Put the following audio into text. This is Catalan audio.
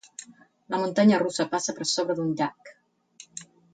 La muntanya russa passa per sobre d'un llac.